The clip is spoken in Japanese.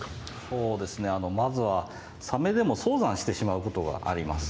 そうですねまずはサメでも早産してしまうことがあります。